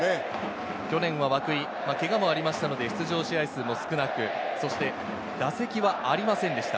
去年は涌井、けがもありましたので出場試合数も少なく、そして打席はありませんでした。